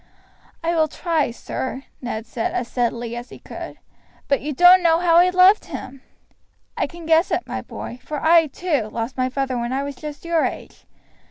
"I will try, sir," Ned said as steadily as he could; "but you don't know how I loved him!" "I can guess it, my boy; for I, too, lost my father when I was just your age.